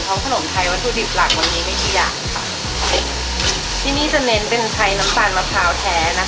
ขนมไทยวัตถุดิบหลักมันมีกี่อย่างค่ะที่นี่จะเน้นเป็นไทยน้ำตาลมะพร้าวแท้นะคะ